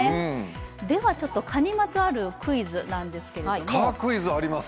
では蚊にまつわるクイズなんですけれども。